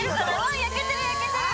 お焼けてる焼けてる。